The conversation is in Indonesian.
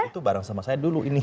itu bareng sama saya dulu ini